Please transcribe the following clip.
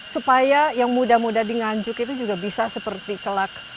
supaya yang muda muda di nganjuk itu juga bisa seperti kelak